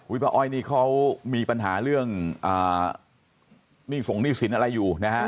ป้าอ้อยนี่เขามีปัญหาเรื่องหนี้ส่งหนี้สินอะไรอยู่นะฮะ